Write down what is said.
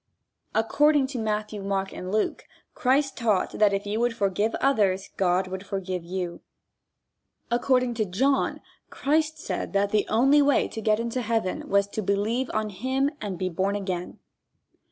According to Matthew, Mark and Luke, Christ taught that if you would forgive others God would forgive you. According to John, Christ said that the only way to get to heaven was to believe on him and be born again.